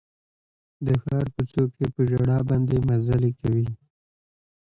د ښار کوڅو کې په ژړا باندې مزلې کوي